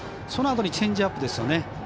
そのあとにチェンジアップですね。